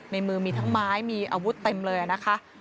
ในมือมีทั้งไม้มีอาวุธเต็มเลยนะคะ